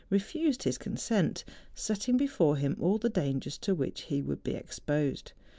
refused his consent, setting before him all the dangers to which he would be exposed.